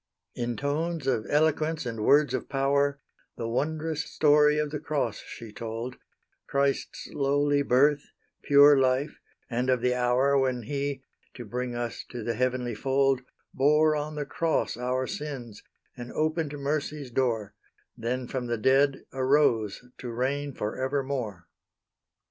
In tones of eloquence and words of power, The wond'rous story of the cross she told; Christ's lowly birth, pure life, and of the hour When He, to bring us to the heavenly fold, Bore on the cross our sins, and opened mercy's door, Then from the dead arose to reign for evermore.